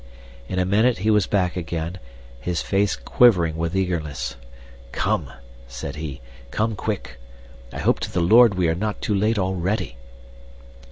In a minute he was back again, his face quivering with eagerness. "Come!" said he. "Come quick! I hope to the Lord we are not too late already!"